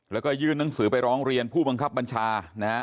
แล้วก็ยื่นหนังสือไปร้องเรียนผู้บังคับบัญชานะฮะ